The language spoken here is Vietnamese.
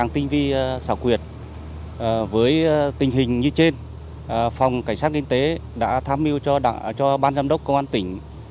tình hình như trên phòng cảnh sát kinh tế đã tham mưu cho ban giám đốc công an tỉnh